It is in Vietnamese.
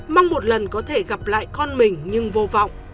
mong một lần có thể gặp lại con mình nhưng vô vọng